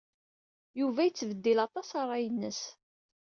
Yuba yettbeddil aṭas ṛṛay-nnes.